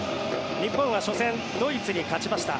日本は初戦、ドイツに勝ちました。